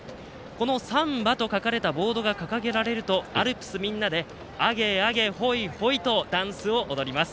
この「サンバ」と書かれたボードが掲げられるとアルプスみんなで「アゲアゲホイホイ」とダンスを踊ります。